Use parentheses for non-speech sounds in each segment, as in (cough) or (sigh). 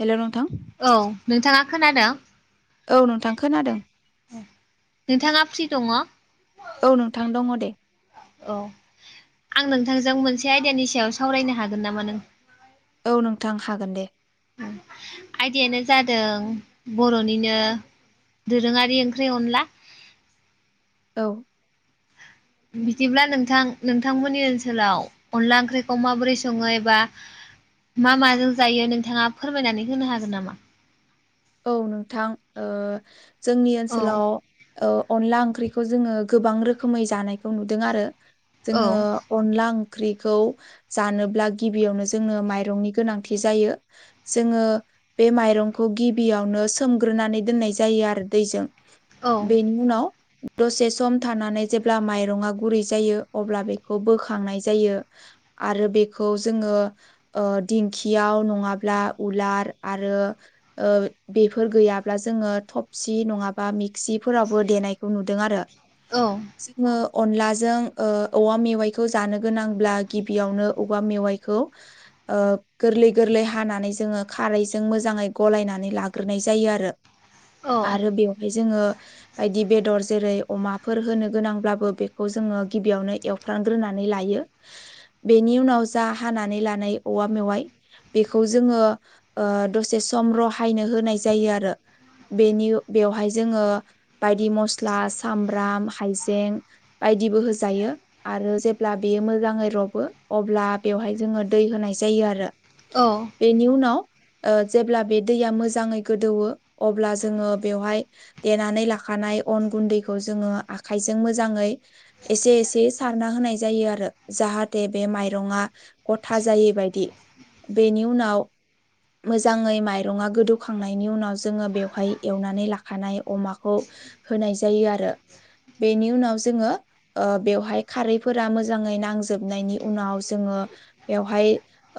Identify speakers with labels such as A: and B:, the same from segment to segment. A: Hello नोंथां
B: औ नोंथाङा खोनादों
A: औ नोंथां खोनादों
B: नोंथाङा फ्रि दङ
A: औ नोंथां दङ दे
B: औ आं नोंथांजों मोनसे आयदानि सायाव सावरायनो हागोन नामा नों
A: औ नोंथां हागोन दे
B: आयदायानो जादों बर'निनो दोरोङारि ओंख्रि अनला
A: औ
B: बिदिब्ला नोंथां नोंथांमोननि ओनसोलाव अनला ओंख्रिखौ माबोरै सङो एबा मा माजों जायो नोंथाङा फोरमायनानै होनो हागोन नामा
A: औ नोंथां ओ जोंनि
B: औ
A: ओनसोलाव औ अनला ओंख्रिखौ जोङो गोबां रोखोमै जानायखौ नुदों आरो
B: औ
A: जोङो अनला ख्रिखौ जानोब्ला गिबियावनो जोंनो माइरंनि गोनांथि जायो जोङो बेे माइरंखौ गि बियावनो सोमग्रोनानै दोननाय जायो आरो दैजों
B: औ
A: बेनि उनाव दसे सम थानानै जेब्ला माइरङा गुरै जायो अब्ला बेखौ बोखांनाय जायो आरो बेखौ जोङो ओ दिंखियाव नङाब्ला उलार आरो ओ बेफोर गैयाब्ला जोङो थफसि नङाबा मिक्सिफोरावबो देनायखौ नुदों आरो
B: औ
A: जोङो अनलाजों ओ औवा मेवाइखौ जानो गोनांब्ला गिबियावनो औवा मेवाइखौ ओ गोरलै गोरलै हानानै जोङो खारैजों मोजाङै गलायनानै लाग्रोनाय जायो आरो
B: औ
A: आरो बेवहाय जोङो बायदि बे दर जेरै अमाफोर होनो गोनांब्लाबो बेखौ जोङो गिबियावनो एवफ्रांग्रोनानै लायो बेनि उनाव जा हानानै लानाय औवा मेवाइ बेखौ जोङो ओ दसे सम रहायनो होनाय जायो आरो बेनि बेवहाय जोङो बायदि मस्ला सामब्राम हाइजें बाय दिबो होजायो आरो जेब्ला बेयो मोजाङै रबो अब्ला बेवहाय जोङो दै होनाय जायो यो आरो
B: औ
A: बेनि उनाव जेब्ला बे दैया मोजाङै गोदौवो अब्ला जोङो बेवहाय देनानै लाखानाय अन गुन्दैखौ जोङो आखाइजों मोजाङै एसे एसे सारना होनाय जायो आरो जाहा थे बे माइरङा गथा जायि बायदि बेनि उनाव मोजाङै माइरङा गोदौखांनायनि उनाव जोङो बेवहाय एवनानै लाखानाय अमाखौ होनाय जायो आरो बेनि उनाव जोङो ओ बेवहाय खारैफोरा मोजाङै नांजोबनायनि उनाव जोङो ओ बेवहाय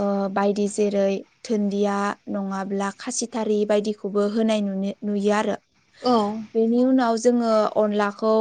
A: ओ बायदि जेरै धुन्दिया। नङाब्ला खासिथारि बायदिखौबो होनाय नुनो नुयो आरो।
B: औ
A: बेनि उनाव जोङो अनलाखौ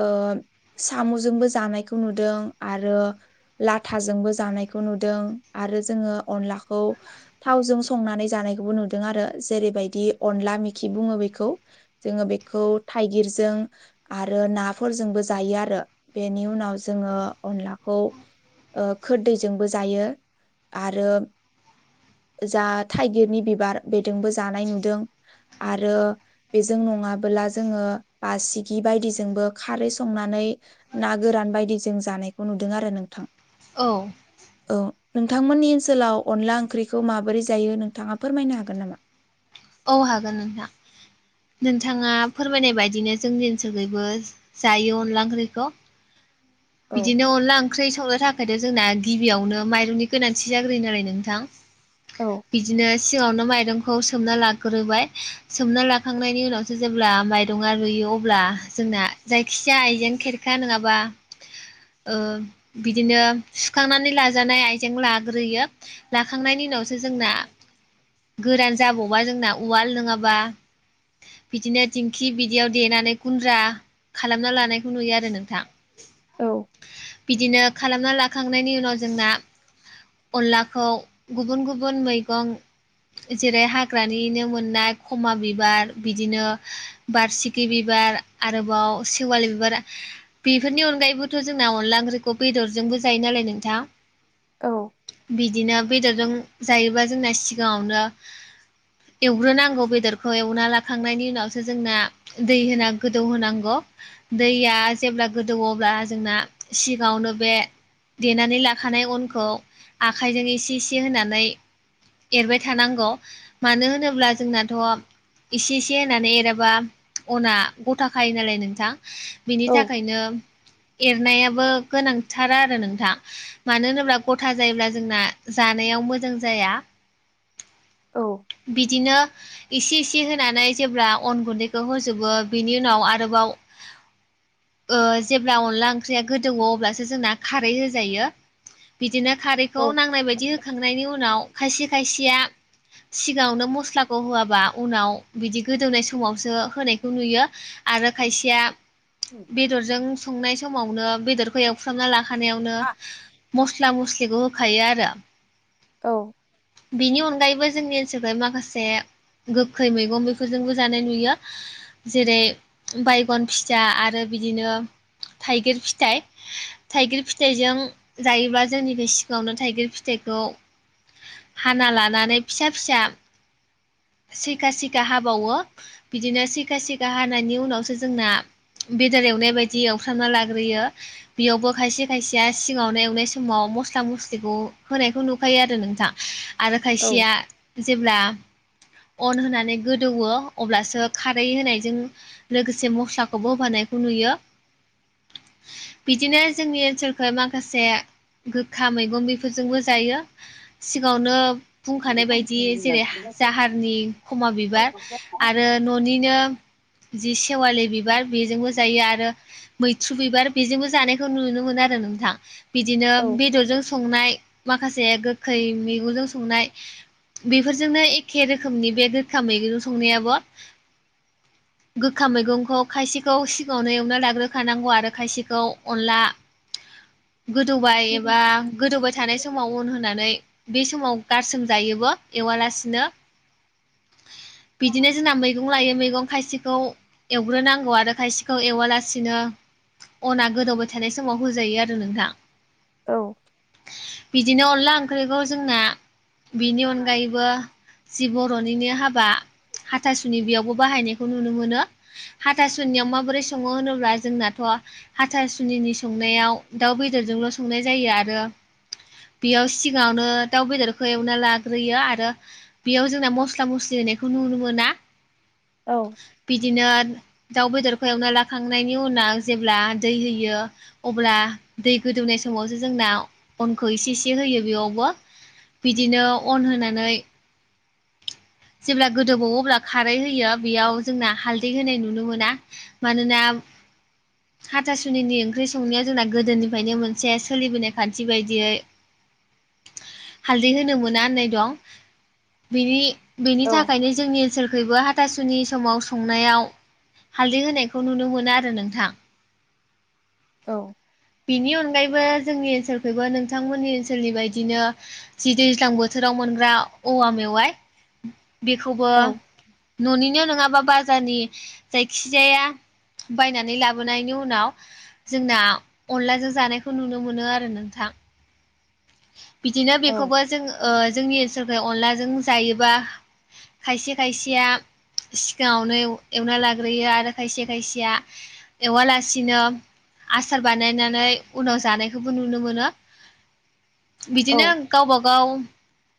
A: ओ। साम'जोंबो जानायखौ नुदों आरो लाथाजोंबो जानायखौ नुदों आर। रो जोंङो अनलाखौ थावजों सो। संनानै जानायखौबो नुदों आरो जेरैबायदि अनला मिखि बुङो बेखौ जोङो बेखौ। थाइगिरजों आरो नाफोरजोंबो जायो आरो बेनि उनाव जोङो अनलाखौ। खौ ओ खोददैजोंबो जायो आरो जाद थाइगिरनि बिबार बेदोंबो जानाय नुदों आरो बेजों नङाबोला जोङो बारसिगि बायदिजोंबो खारै संनानै ना गोरान बायदि जों जानायखौ नुदों आरो नोंथां
B: औ।
A: औ नोंथांमोननि ओनसोलाव अनला ओंख्रिखौ माबोरै जायो नोंथाङा फोरमायनो हागोन नामा।
B: औ हागोन नोंथां। नोंथाङा फोरमायनाय बायदिनो जोंनि ओनसोलखैबो जायो अनला ओंख्रिखौ।
A: औ
B: बिदिनो अनला ओंख्रि संनो थाख। ओमायथ' जोंना गिबियावनो माइरंनि गोनांथि जाग्रोयोनालाय नोंथां
A: औ
B: बिदिनो। सिाङावनो माइरंखौ सोमना लाग्रोबाय सोमना लाखांनायनि उनावसो जेब्ला माइरंङा रुइयो। अब्ला जोंना जायखिजाया आइजें खेरखा नोंङाबा। ओ बिदिनो सुखांनानै लाजानाय आइजें लाग्रोयो लाखांनायनि उनावसो। जोंना गोरान जाबावबा जोंना उवाल नोङाबा। बिदिनो दिंखि बिदियाव देनानै गुन्द्रा खालामना लानायखौ नुयो आरो नोंथां।
A: औ
B: बिदिनो खालामना लाखांनायनि उनाव जोंना। अनलाखौ गुबुन गुबुन मैगं। जेरै हाग्रानिनो मोननाय खमा बिबार बिदिनो बारसिखि बिबार। बार आरोबाव सेवालि बिबार बेफोरनि अनगायैब। बोथ' जोंना अनला ओंख्रिखौ बेदरजोंबो जायो नालाय नोंथां।
A: औ
B: बिदिनो बेदरजों जायोबा जोंना सिगाङावनो। एवग्रोनांगौ बेदरखौ एवना लाखांनायनि उनावसो जोंना दै होना गोदौ होनांगौ। दैया जेब्ला गोदौ अब्ला जोंना सिगांआवनो बे। देनानै लाखानाय अनखौ आखाइजों एसे इसे होनानै। एरबाय थानांगौ मानो होनोब्ला जोंनाथ'। एसे इसे होनानै एराबा अना गथाखायो नालाय नोंथां। बिनि
A: औ
B: थाखायनो। नायाबो गोनांथार आरो नोंथा मानो होनोब्ला गथा जायोब्ला जोंना जानायाव मोद। मोजां जाया।
A: औ।
B: बिदिनो इसे इसे होनानै जेब्ला अन गुन्दैखौ होजोबो बिनि उनाव आरोबाव। ओ जेब्ला अनला ओंख्रिया गोदौओ अब्लासो जोंना खारै होजायो। बिदिनो
A: औ
B: खारैखौ नांनाय बायदि होखांनायनि उनाव खायसे खायसेया। सिगाङावनो मस्लाखौ होआबा उनाव बिदि गोदौनाय समावसो होनायखौ नुयो आरो। खायसेया। बेदरजों संनाय समावनो बेदरखो एवफ्रामना लाखानायावनो। मस्ला मस्लिखौ होखायो आरो।
A: औ।
B: बेनि अनगायैबो जोंनि ओनसोलखौ माखासे। गोखै मैगं बेफोरजोंबो जानाय नुयो जेरै बायगन फिसा आरो। बिदिनो। थाइगिर फिथाइ थाइगिर फिथाइजों जायोब्ला जोंनि बे सिगाङावनो थाइगिर फिथाइख। गौ हाना लानानै फिसा फिसा। सिखा सिखा हाबावो बिदिनो सिखा सिखा हानायनि उनावसो जोंना बेदर एवनाय बायदि एवफ्रामना लाग्रोयो बेयावबो खायसे खायसेया सिङावनो एवनाय समाव मस्ला मस्लिखौ होनायखौ नुखायो आरो नोंथां आरो खायसेया जेब्ला अन होनानै गोदौ अब्लासो खारै होनायजों लोगोसे मस्लाखौबो होबानायखौ नुयो बिदिनो जोंनि ओनसोलखौ माखासे गोखा मैगं बेफोरजोंबो जायो सिगाङावनो बुंखानाय बायदि जेरै जाहारनि खमा बिबार आरो ननिनो जि सेवालि बिबार बेजोंबो जायो आरो मैथ्रु बिबार बेजोंबो जानायखौ नुनो मोनो आरो नों थां बिदिनो
A: औ
B: बेदरजों संनाय माखासे खै मैगंजों संनाय बेफोरजोंनो एखे रोखोमनि बे गोखा मैगं संनायाबो गोखा मैगंखौ खायसेखौ सिगाङावनो एवना लाग्रोखानांगौ आरो खायसेखौ अनला गोदौबाय एबा गोदौबाय थानाय समाव अन होनानै बे समाव गारसोमजायोबो एवालासिनो बिदिनो जों मैगं लायो मैगं खायसेखौ एवग्रोनांगौ आरो खायसेखौ एववालासिनो अना गोदौबाय थानाय समाव होजायो आरो नोंथां
A: औ
B: बिदिनो अनला ओंख्रिखौ जोंना बिनि अनगायैबो जि बरनिनो हाबा हाथासुनि बेयावबो बाहायनायखौ नुनो मोनो हाथासुनियाव माबोरै सङो होनोब्ला जोंनाथ हाथासुनिनि संनायाव दाउ बेदरजोंल संनाय जायो आरो बेयाव सिगाङावनो दाउ बेदरखौ एवना लाग्रोयो आरो बेयाव जोंना मस्ला मस्लि होनायखौ नुनो मोना बिदिनो दाउ बेदरखौ एवना लाखांनायनि उनाव जेब्ला दै होयो अब्ला दै गोदौनाय समावसो जोंना अनखौ इसे इसे होयो बिदिनो अन होनानै जेब्ला गोदौबावो अब्ला खारै होयो बेयाव जोंना हालदै होनाय नुनो मोना मानोना (inaudible) हाथासुनिनि ओंख्रि संनाया जोंना गोदोनिफ्रायनो मोनसे सोलिबोनाय खान्थि बायदियै हालदै होनो मोना होननाय दं नि
A: औ
B: बेनि थाखायनो जोंनि ओनसोलखैबो हातासुनि समाव संनायाव हालदै होनायखौ नुनो मोना आरो नोंथां
A: औ
B: बिनि अनगायैबो जोंनि ओनसोलखौबो नोंथांमोननि ओनसोलनि बायदिनो जि दैज्लां बोथोर राव मोनग्रा औवा मेवाइ बेखौबो ननिनो नङा माबा बाजारनि जायखिजाया बायनानै लाबोनायनि उनाव जोंना अनलाजों जानायखौ नुनो मोनो आरो नोंथां बिदिनो बेखौबो जों जोंनि ओनसोलख अनलाजों जायोबा खायसे खायसेया सिगाङावनो एवना लाग्रोयो आरो खायसे खायसेया एवालासिनो आसार बानायनानै उनाव जानायखौबो नुनो मोनो। बिदिनो गावबागाव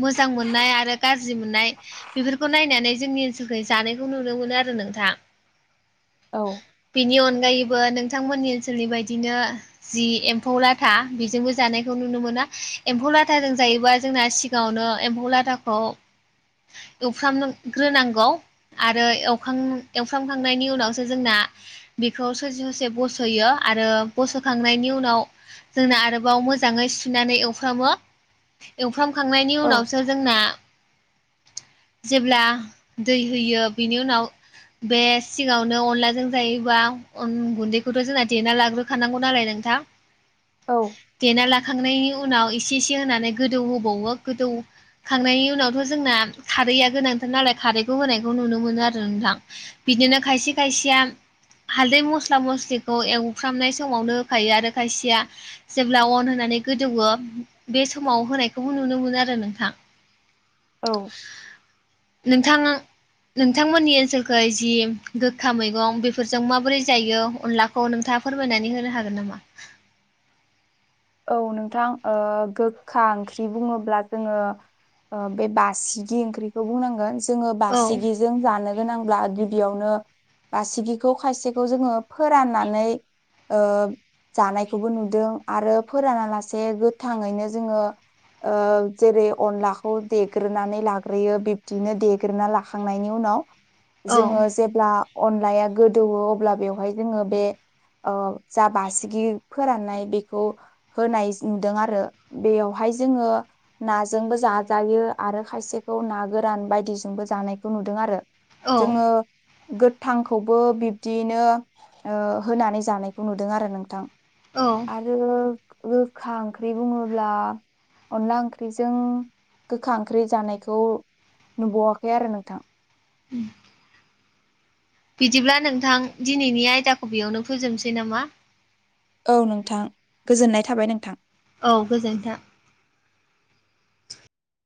B: मोजां मोननाय आरो गाज्रि मोननाय बेफोरखौ नायनानै जोंनि ओनसोलखै जानाय नुनो मोनो आरो नोंथां बिनि अनगायैबो नों थांमोननि ओनसोलनि बायदिनो जि एम्फौ लाथा बेजोंबो जानायखौ नुनो मोनो। एम्फौ लाथाजों जायोबा जोंना सिगाङावनो एम्फौ लाथाखौ एवफ्रामग्रोनांगौ आरो एवखां एवफ्रामखांनायनि उनावसो जोंना बेखौ ससे ससे बस'यो आरो बस'खांनायनि उनाव जोंनो आरोबाव मोजाङै सु नानै एवफ्रामो एवफ्रामखांनायनि
A: औ
B: उनावसो जोंना जेब्ला दै होयो बेनि उनाव बे सिङावनो अनलाजों जायोबा अन‌ गुन्दैखौथ' जोंना देना लाग्रोखानांगौ नालाय नों थां
A: औ
B: देना ला खांनायनि उनाव इसे इसे होनानै गोदौ होबावो गोदौखांनायनि उनावथ' जोंना खा रैया गोनांथार नालाय खारैखौ होनायखौ नुनो मोनो आरो नोंथां। बिदिनो खायसे खायसेया हालदै मस्ला मस्लिखौ एवफ्रामनाय समावनो होखायो आरो खायसेया जेब्ला अन होनानै गोदौवो बे समाव होनायखौबो नुनो मोनो आरो नोंथां।
A: औ
B: नोंथां आं नोंथांमोननि ओनसोलखै जि गोखा मैगं बेफोरजों माबोरै जायो अनलाखौ नोंथां फोरमायनानै होनो हागोन नामा?
A: औ नोंथां गोखा ओ ओंख्रि बुङोब्ला जोङो ओ बे बासिगि ओंख्रिखौ बुंनांगोन जोङो
B: औ
A: बासिगिजों जानो गोनांब्ला गिबियावनो बासिगिखौ खायसेखौ जोङो फोराननानै ओ जानायखौबो नुदों आरो फोरानालासे गोथाङैनो जोङो ओ जेरै अनलाखौ देग्रोनानै लाग्रोयो बिब्दिनो देग्रोना लाखांनायनि उनाव
B: औ
A: जोङो जेब्ला अनलाया गोदौवो अब्ला बेवहाय जोङो बे ओ जा बासिगि फोराननाय बेखौ होनाय नुदों आरो बेयावहाय जोङो नाजोंबो जाजायो आरो खायसे खौ ना गोरान बायदिजोंबो जानायखौ नुदों आरो
B: औ
A: जोङो गोथांखौबो बिब्दियैनो ओ होनानै जानायखौ नुदों आरो नोंथां।
B: औ
A: आरो गोखा ओंख्रि बुङोब्ला अनला ओंख्रिजों गोखा ओंख्रि जानायखौ नुबावाखै आरो नोंथां।
B: उम बिदिब्ला नोंथां दिनैनि आयदाखौ बेयावनो फोजोबसै नामा?
A: औ नोंथां गोजोननाय थाबाय नोंथां।
B: औ गोजोन्थों।